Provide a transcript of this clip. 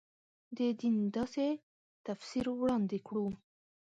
د دین داسې تفسیر وړاندې کړو.